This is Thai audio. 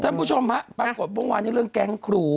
ท่านผู้ชมปรากฏปลงมาเรื่องแก๊งครู